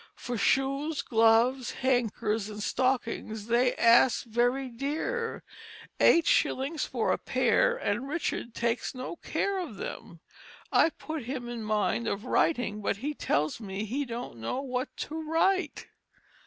For shoes, gloves, hankers & stockens, they ask very deare, 8 shillings for a paire & Richard takes no care of them.... I put him in mind of writing but he tells me he don't know what to write."